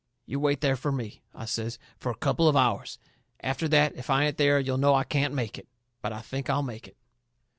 You wait there fur me," I says, "fur a couple of hours. After that if I ain't there you'll know I can't make it. But I think I'll make it."